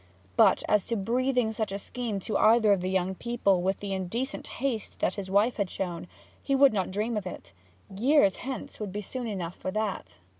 But as to breathing such a scheme to either of the young people with the indecent haste that his wife had shown, he would not dream of it; years hence would be soon enough for that.